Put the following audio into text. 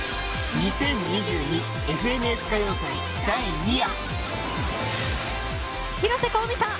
「２０２２ＦＮＳ歌謡祭第２夜」